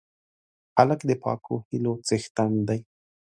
هلک د پاکو هیلو څښتن دی.